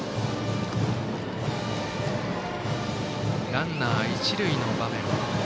ランナー、一塁の場面。